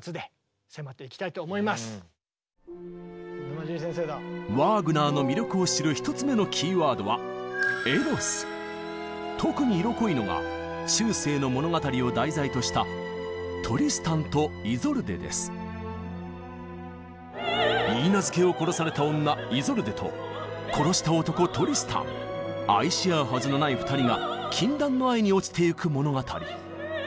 これはワーグナーの魅力を知る１つ目のキーワードは特に色濃いのが中世の物語を題材とした「いいなずけを殺された女イゾルデ」と「殺した男トリスタン」愛し合うはずのない２人が禁断の愛におちてゆく物語。